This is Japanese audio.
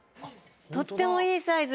とってもいいサイズ。